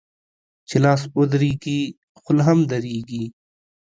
چي لاس و درېږي ، خوله هم درېږي.